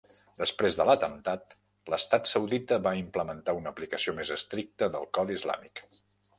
Després de l'atemptat, l'estat saudita va implementar una aplicació més estricta del codi islàmic.